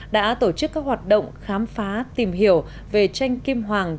đã tổ chức các hoạt động khám phá tìm hiểu về tranh kim hoàng